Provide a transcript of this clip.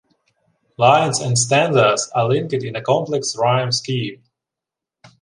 Lines and stanzas are linked in a complex rhyme scheme.